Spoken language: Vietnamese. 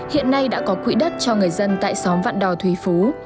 hiện nay đã có quỹ đất cho người dân tại xóm vạn đò thủy phú